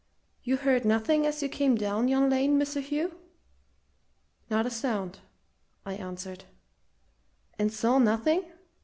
You heard nothing as you came down yon lane, Mr. Hugh?" "Not a sound!" I answered. "And saw nothing?"